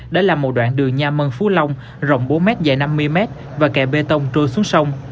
đã là một đoạn đường nha mân phú long rộng bốn mét dài năm mươi mét và kẹ bê tông trôi xuống sông